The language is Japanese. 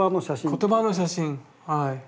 言葉の写真はい。